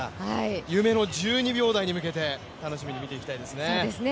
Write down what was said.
夢の１２秒台に向けて楽しみに見ていきたいですね。